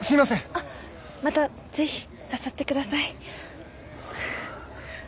あっまたぜひ誘ってください。